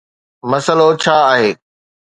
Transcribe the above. مسئلو ڇا آهي؟